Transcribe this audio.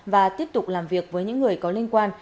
và tiếp tục làm việc với những người có liên quan